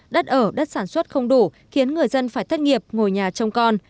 đất ở đất sản xuất không đủ khiến người dân phải thất nghiệp ngồi nhà trông con